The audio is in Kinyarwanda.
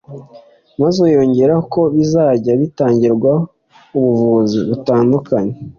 maze yongeraho ko bizajya bitangirwamo ubuvuzi butandukanye